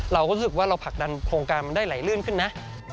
เราก็รู้สึกว่าเราผลักดันโครงการมันได้ไหลลื่นขึ้นนะ